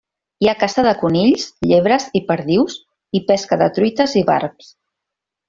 Hi ha caça de conills, llebres i perdius i pesca de truites i barbs.